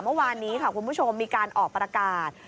เมื่อวานนี้ค่ะคุณผู้ชมมีการออกประกาศ